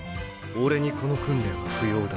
俺にこの訓練は不要だ。